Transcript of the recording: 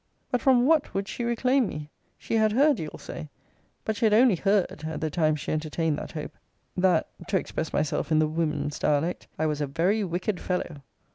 But from what would she reclaim me? She had heard, you'll say, (but she had only heard, at the time she entertained that hope,) that, to express myself in the women's dialect, I was a very wicked fellow!